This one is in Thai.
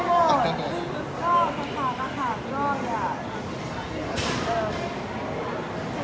ตอกใจหมด